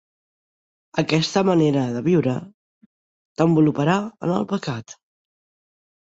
Aquesta manera de viure t'envoluparà en el pecat.